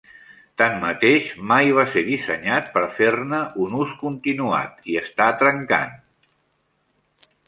Tanmateix, mai va ser dissenyat per fer-ne un ús continuat i està trencant.